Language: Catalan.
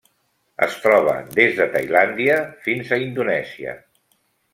Es troba des de Tailàndia fins a Indonèsia.